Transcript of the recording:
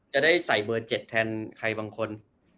จะได้ใส่เบอร์๗แทนใครบางคน